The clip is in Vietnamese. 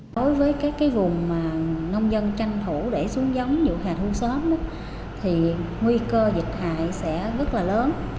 đối với các vùng mà nông dân tranh thủ để xuống giống vụ hè thu sớm thì nguy cơ dịch hại sẽ rất là lớn